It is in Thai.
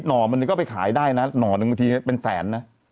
่อนึงก็ไปขายได้นะหน่อหนึ่งบางทีเป็นแสนนะ